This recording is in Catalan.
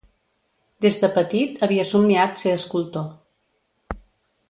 Des de petit havia somniat ser escultor.